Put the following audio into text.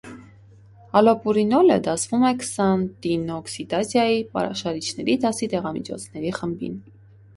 Ալոպուրինոլը դասվում է քսանտինօքսիդազայի պաշարիչների դասի դեղամիջոցների խմբին։